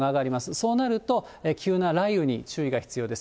そうなると、急な雷雨に注意が必要です。